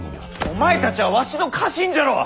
お前たちはわしの家臣じゃろう！